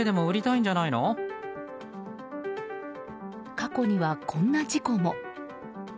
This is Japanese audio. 過去には、こんな事故も。